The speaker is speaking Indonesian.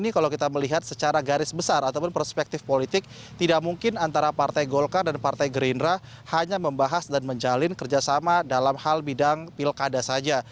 kalau kita melihat secara garis besar ataupun perspektif politik tidak mungkin antara partai golkar dan partai gerindra hanya membahas dan menjalin kerjasama dalam hal bidang pilkada saja